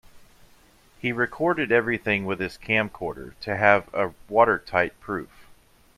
He recorded everything with his camcorder to have a watertight proof.